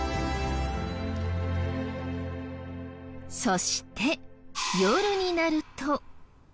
そして夜になると。